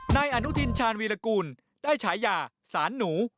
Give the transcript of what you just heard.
นายอนุทินชาญวีรกูลได้ฉายาสารหนู